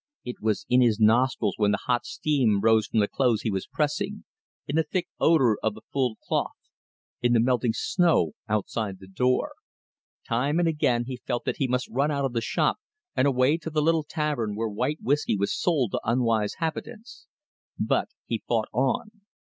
It was in his nostrils when the hot steam rose from the clothes he was pressing, in the thick odour of the fulled cloth, in the melting snow outside the door. Time and again he felt that he must run out of the shop and away to the little tavern where white whiskey was sold to unwise habitants. But he fought on.